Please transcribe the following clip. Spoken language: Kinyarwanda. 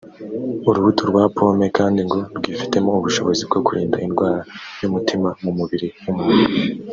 urubuto rwa pomme kandi ngo rwifitemo ubushobozi bwo kurinda indwara y’umutima mu mubiri w’umuntu